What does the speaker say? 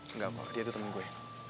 enggak mak dia tuh temen gue